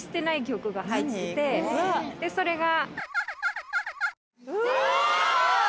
それが。